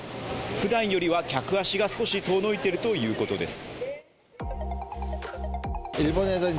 ふだんよりは客足が少し遠のいているということです。